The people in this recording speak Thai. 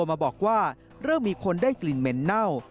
มาบอกว่าเริ่มมีคนได้กลิ่นเหม็นเน่า